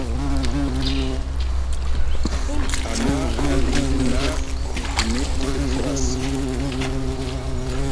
Amma aliɗi naa e hni tiɗi fras.